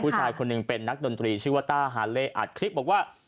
ผู้ชายคนหนึ่งเป็นนักดนตรีชื่อว่าต้าฮาเล่อัดคลิปบอกว่า